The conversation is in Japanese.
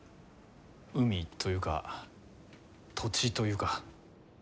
海というか土地というか。